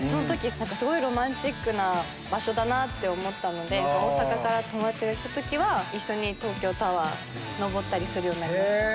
すごいロマンチックな場所だって思ったので大阪から友達が来た時は一緒に東京タワーに上ったりするようになりました。